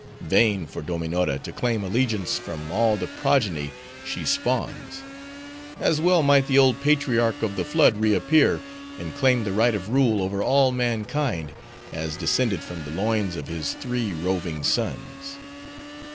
Vain for Dominora to claim allegiance from all the progeny she spawns. As well might the old patriarch of the flood reappear, and claim the right of rule over all mankind, as descended from the loins of his three roving sons.